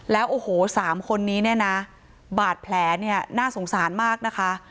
แล้วโอ้โหสามคนนี้เนี่ยนะบาดแผลเนี่ยน่าสงสารมากนะคะ